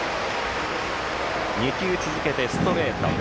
２球続けてストレート。